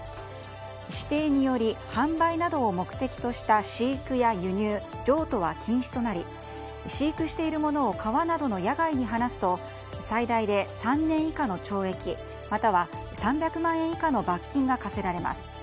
指定により販売などを目的とした飼育や輸入譲渡は禁止となり飼育しているものを川などの野外に放すと最大で３年以下の懲役または３００万円以下の罰金が科せられます。